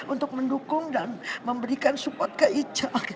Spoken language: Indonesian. untuk mendukung dan memberikan support ke ica